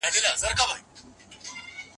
ځوان کارکوونکي د ډېر کار دود ردوي.